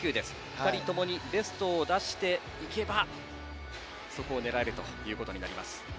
２人ともにベストを出していけばそこを狙えることになります。